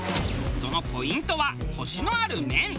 そのポイントはコシのある麺。